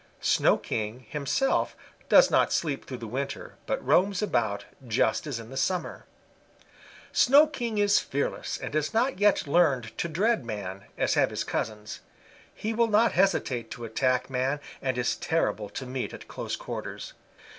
Snow King, himself, does not sleep through the winter, but roams about, just as in the summer. "Snow King is fearless and has not yet learned to dread man, as have his cousins. He will not hesitate to attack man and is terrible to meet at close quarters.